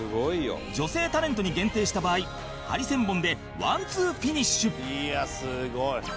女性タレントに限定した場合ハリセンボンでワンツーフィニッシュいやすごい！